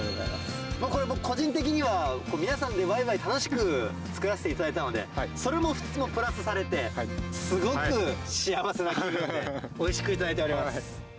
これ僕、個人的には、皆さんでわいわい楽しく作らせていただいたので、それもプラスされて、すごく幸せな気分で、おいしく頂いております。